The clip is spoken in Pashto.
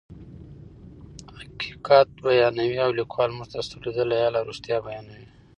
حقیقت بیانوي او لیکوال موږ ته د سترګو لیدلی حال او رښتیا بیانوي.